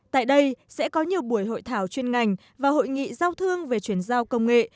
tại đây sẽ có nhiều buổi hội thảo chuyên ngành và hội nghị giao thương về chuyển giao công nghệ